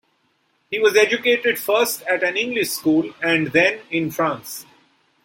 He was educated first at an English school and then in France.